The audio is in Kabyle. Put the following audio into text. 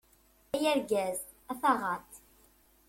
Ay argaz, a taɣaṭ!